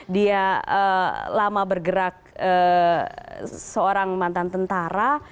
dia lama bergerak seorang mantan tentara